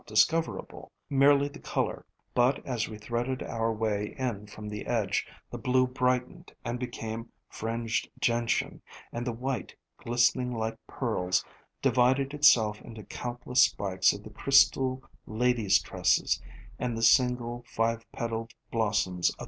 discoverable, merely the color ; but as we threaded our way in from the edge, the blue brightened and became Fringed Gentian, and the white, glistening like pearls, divided itself into countless spikes of the crystal Ladies' Tresses and the single, five petaled blossoms of